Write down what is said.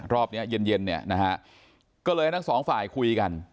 รอบนี้เย็นนะฮะก็เลยทั้งสองฝ่ายคุยกัน